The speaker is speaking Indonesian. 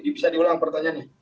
bisa diulang pertanyaannya